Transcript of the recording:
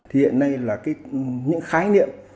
hiện nay là những khái niệm